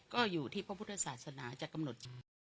ก็อยู่ที่พระพุทธศาสนาจะกำหนด